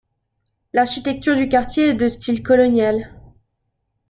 L'architecture du quartier est de style colonial.